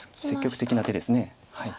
積極的な手です。